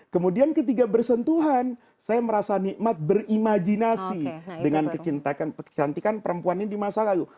kemudian ketika bersentuhan saya merasa nikmat berimajinasi dengan kecantikan perempuan ini di masa lalu